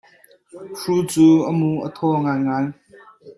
Hru cu a muru a thaw ngaingai.